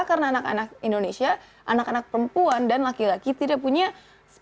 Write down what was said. karena anak anak indonesia anak anak perempuan dan laki laki tidak punya pendidikan seks